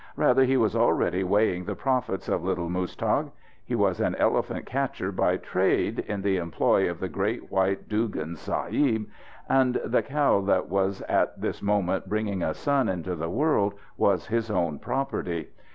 Rather he was already weighing the profits of little Muztagh. He was an elephant catcher by trade, in the employ of the great white Dugan Sahib, and the cow that was at this moment bringing a son into the world was his own property.